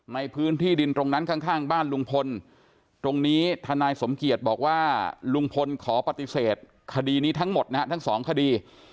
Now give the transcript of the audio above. ในพื้นที่ดินตรงนั้นข้างบ้านลุงพลตรงนี้ทนายสมเกียจบอกว่าลุงพลขอปฏิเสธคดีนี้ทั้งหมดนะฮะทั้งสองคดี